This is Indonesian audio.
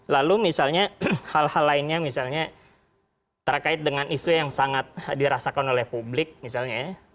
lalu misalnya hal hal lainnya misalnya terkait dengan isu yang sangat dirasakan oleh publik misalnya ya